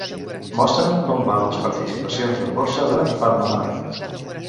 Mostra'm com van les participacions en borsa de PharmaMar.